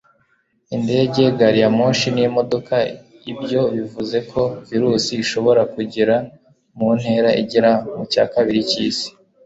Indege, gariyamoshi n'imodoka, ibyo bivuze ko virusi ishobora kugera mu ntera igera mu cyakabiri cy'isi